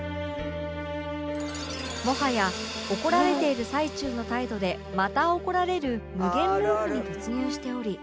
もはや怒られている最中の態度でまた怒られる無限ループに突入しており